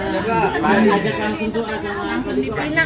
coba mari ajarkan sentuh aja